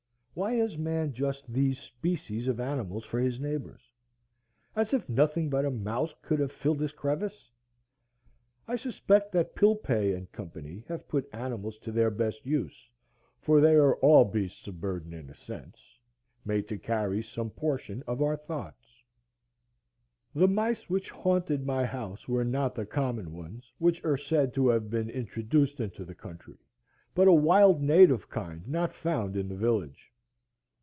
Why has man just these species of animals for his neighbors; as if nothing but a mouse could have filled this crevice? I suspect that Pilpay & Co. have put animals to their best use, for they are all beasts of burden, in a sense, made to carry some portion of our thoughts. The mice which haunted my house were not the common ones, which are said to have been introduced into the country, but a wild native kind not found in the village.